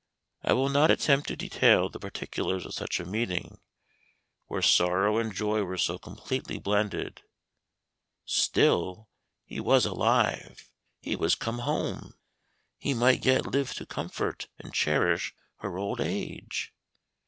I will not attempt to detail the particulars of such a meeting, where sorrow and joy were so completely blended: still, he was alive! he was come home! he might yet live to comfort and cherish her old age!